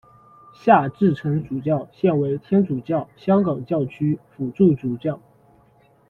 夏志诚主教现为天主教香港教区辅理主教。